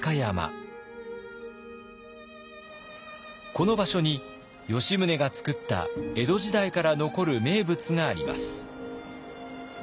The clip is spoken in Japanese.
この場所に吉宗が作った江戸時代から残る名物があります。